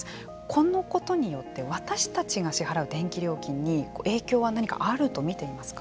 このことによって私たちが支払う電気料金に影響は何かあると見ていますか。